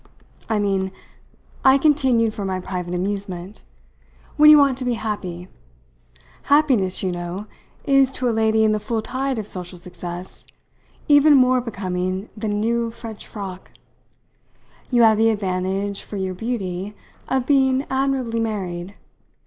I mean," I continued for my private amusement, "when you want to be happy. Happiness, you know, is, to a lady in the full tide of social success, even more becoming than a new French frock. You have the advantage, for your beauty, of being admirably married.